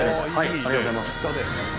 ありがとうございます。